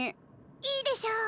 いいでしょ。